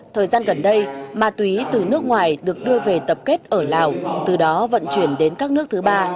thời gian gần đây ma túy từ nước ngoài được đưa về tập kết ở lào từ đó vận chuyển đến các nước thứ ba